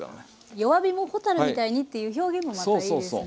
弱火も蛍みたいにっていう表現もまたいいですね。